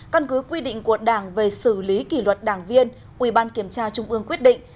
căn cứ quy định của đảng về xử lý kỷ luật đảng viên ủy ban kiểm tra trung ương quyết định